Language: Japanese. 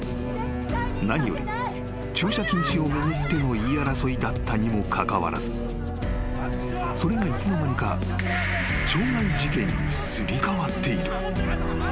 ［何より駐車禁止を巡っての言い争いだったにもかかわらずそれがいつの間にか傷害事件にすり替わっている］